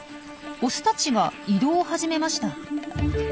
オスたちが移動を始めました。